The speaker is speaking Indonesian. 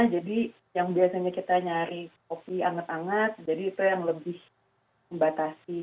jadi yang biasanya kita nyari kopi anget anget jadi itu yang lebih membatasi